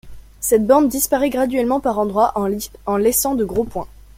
Cette bande disparaît graduellement par endroits en laissant de gros points.